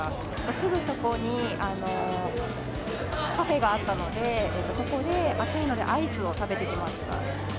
すぐそこにカフェがあったので、そこで暑いのでアイスを食べてきました。